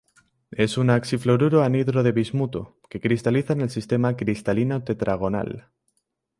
Es un oxi-fluoruro anhidro de bismuto, que cristaliza en el Sistema cristalino tetragonal.